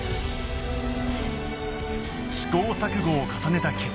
試行錯誤を重ねた結果